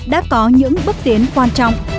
đã có những bước tiến quan trọng